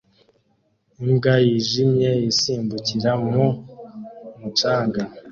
Imbwa yijimye isimbukira mu mucanga